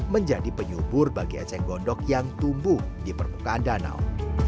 menjadi penyubur bagi eceng gondok yang tumbuh di permukaan danau